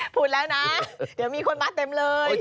พูดแล้วนะเดี๋ยวมีคนมาเต็มเลย